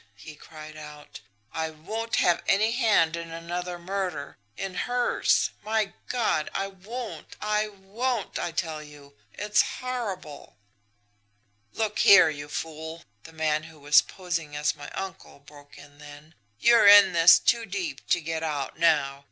he cried out. 'I won't have any hand in another murder in hers! My God, I won't I won't, I tell you! It's horrible!' "'Look here, you fool!' the man who was posing as my uncle broke in then. 'You're in this too deep to get out now.